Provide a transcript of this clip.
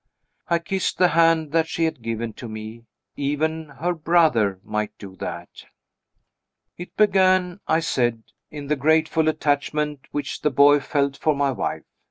I kissed the hand that she had given to me even her "brother" might do that! "It began," I said, "in the grateful attachment which the boy felt for my wife.